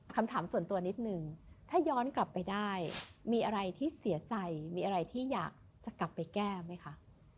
คำถามส่วนตัวนิดนึงถ้าย้อนกลับไปได้มีอะไรที่เสียใจมีอะไรที่อยากจะกลับไปแก้ไหมคะ